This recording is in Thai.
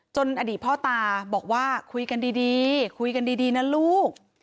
อดีตพ่อตาบอกว่าคุยกันดีคุยกันดีนะลูก